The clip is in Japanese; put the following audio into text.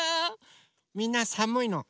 みんなさむいのへいき？